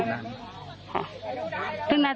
อ๋ออีกคนนึงก็ลง